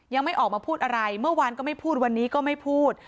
ยังไม่ออกมาพูดอะไรเมื่อวานก็ไม่พูดวันนี้ก็ไม่พูด